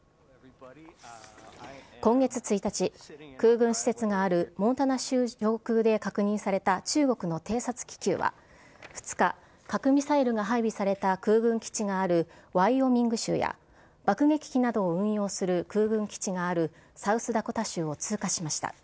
今月１日、空軍施設があるモンタナ州上空で確認された中国の偵察気球は、２日、核ミサイルが配備された空軍基地があるワイオミング州や爆撃機などを運用する空軍基地があるサウスダコタ州を通過しました。